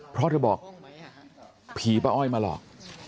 เพราะเธอบอกผีป้าอ้อยมาหลอก